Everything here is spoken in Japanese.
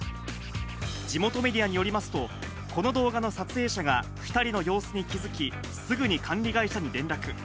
地元メディアによりますと、この動画の撮影者が２人の様子に気付き、すぐに管理会社に連絡。